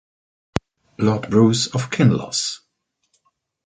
Lord Bruce of Kinloss.